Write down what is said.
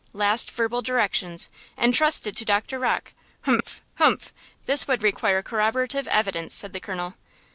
"Last verbal directions, entrusted to Doctor Rocke. Humph! Humph! this would require corroborative evidence," said the colonel.